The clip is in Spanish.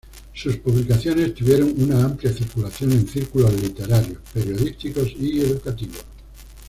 Sus publicaciones tuvieron una amplia circulación en círculos literarios, periodísticos y educativos.